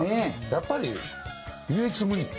やっぱり唯一無二。